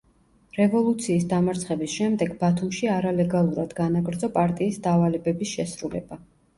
რევოლუციის დამარცხების შემდეგ ბათუმში არალეგალურად განაგრძო პარტიის დავალებების შესრულება.